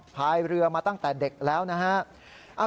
พายเรือมาตั้งแต่เด็กแล้วนะฮะ